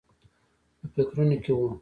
په فکرونو کې و.